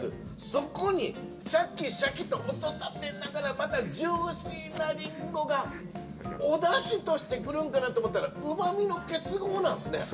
そこにシャキシャキと音を立てながらまたジューシーなリンゴがおだしとして来るんかなと思ったらうまみの結合なんですね。